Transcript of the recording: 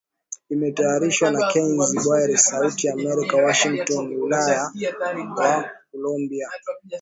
Imetayarishwa na Kennes Bwire, Sauti ya Amerika, Washington wilaya wa kolumbia